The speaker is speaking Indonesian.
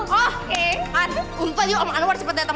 untungnya om anwar cepet dateng